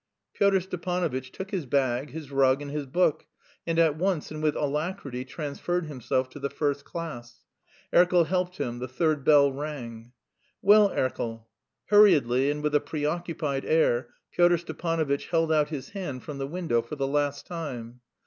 Pyotr Stepanovitch took his bag, his rug, and his book, and at once and with alacrity transferred himself to the first class. Erkel helped him. The third bell rang. "Well, Erkel." Hurriedly, and with a preoccupied air, Pyotr Stepanovitch held out his hand from the window for the last time.